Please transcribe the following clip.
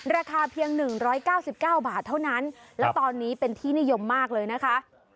ราคาเพียง๑๙๙บาทเท่านั้นและตอนนี้เป็นที่นิยมมากเลยนะคะ